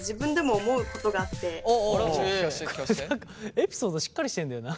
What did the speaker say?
エピソードしっかりしてんだよな。